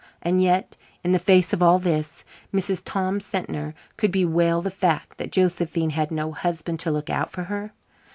And yet, in the face of all this, Mrs. Tom Sentner could bewail the fact that Josephine had no husband to look out for her.